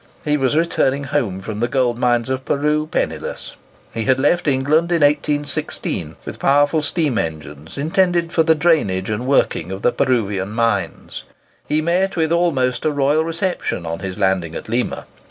He was returning home from the gold mines of Peru penniless. He had left England in 1816, with powerful steam engines, intended for the drainage and working of the Peruvian mines. He met with almost a royal reception on his landing at Lima.